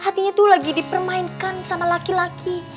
hatinya itu lagi dipermainkan sama laki laki